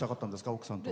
奥さんと。